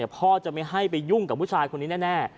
พ่อจะไม่ให้ไปยุ่งกับผู้ชายคนนี้แน่